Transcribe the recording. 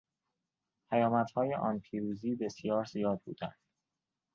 پیامدهای آن پیروزی بسیار زیاد بودند.